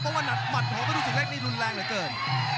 เพราะว่าหัดหมัดของประตูเล็กนี่รุนแรงเหลือเกิน